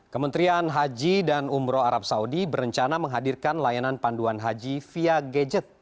kementerian haji dan umroh arab saudi berencana menghadirkan layanan panduan haji via gadget